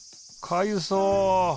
かゆそう。